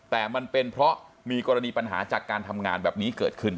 แต่มันเป็นเพราะมีกรณีปัญหาจากการทำงานแบบนี้เกิดขึ้น